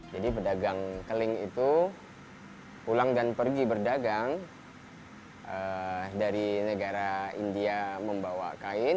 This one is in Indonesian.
jadi pedagang keling itu pulang dan pergi berdagang dari negara india membawa kain